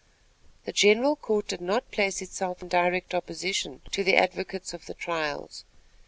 The general court did not place itself in direct opposition to the advocates of the trials.